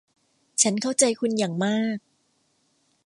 ฉันเข้าใจคุณอย่างมาก